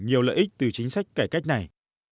nhiều lợi ích từ chính sách cải cách này